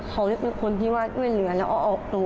เขาเรียกเป็นคนที่ว่าเต้นเหลือแล้วออกตัว